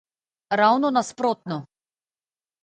Ravno nasprotno.